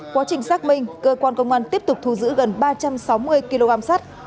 quá trình xác minh cơ quan công an tiếp tục thu giữ gần ba trăm sáu mươi kg sắt